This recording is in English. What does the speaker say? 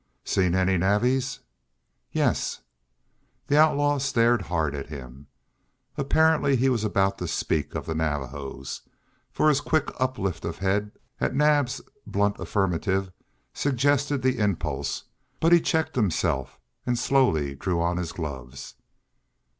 "Seen any Navvies?" "Yes." The outlaw stared hard at him. Apparently he was about to speak of the Navajos, for his quick uplift of head at Naab's blunt affirmative suggested the impulse. But he checked himself and slowly drew on his gloves.